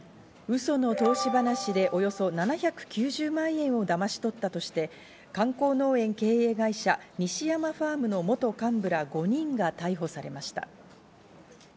ウソの投資話でおよそ７９０万円をだまし取ったとして観光農園経営会社、西山ファームの元幹部ら５人が逮捕されました。